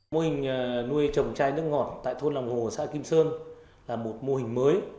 mô hình nuôi chồng chai nước ngọt tại thôn long hồ xã kim sơn là một mô hình mới